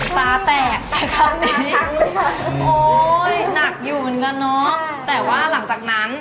ตาแตกใช้คำนี้โอ้ยหนักอยู่เหมือนกันเนอะแต่ว่าหลังจากนั้น